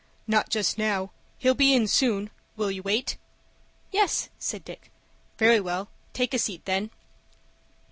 "Not just now. He'll be in soon. Will you wait?" "Yes," said Dick. "Very well; take a seat then."